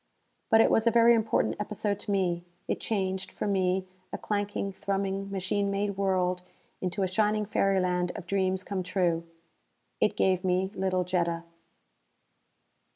But it was a very important episode to me. It changed, for me, a clanking, thrumming machine made world into a shining fairyland of dreams come true. It gave me little Jetta.